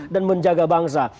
dan menjaga bangsa